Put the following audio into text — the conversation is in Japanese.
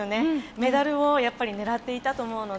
メダルを狙っていたと思うので。